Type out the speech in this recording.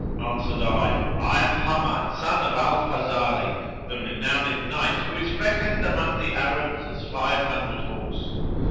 Answered I, "I am Hammad son of al Fazari, the renowned knight, who is reckoned among the Arabs as five hundred horse.